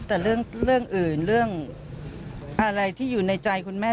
แต่เรื่องอื่นเรื่องอะไรที่อยู่ในใจคุณแม่